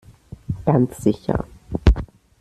Ganz sicher.